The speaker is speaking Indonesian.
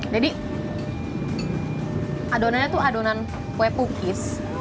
jadi adonannya tuh adonan kue pukis